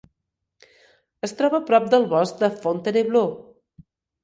Es troba prop del bosc de Fontainebleau.